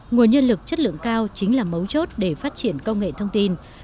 nguồn nhân lực chất lượng cao chính là mấu chốt để phát triển công nghệ thông tin